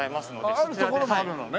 あるところもあるのね。